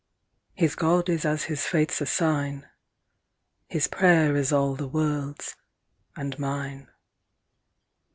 His God is as his fates assign, His prayer is all the world's—and mine.